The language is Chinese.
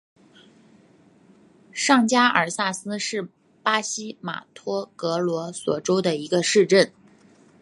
上加尔萨斯是巴西马托格罗索州的一个市镇。